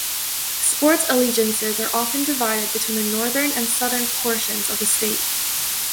Sports allegiances are often divided between the northern and southern portions of the state.